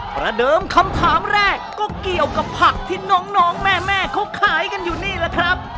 ประเดิมคำถามแรกก็เกี่ยวกับผักที่น้องแม่เขาขายกันอยู่นี่แหละครับ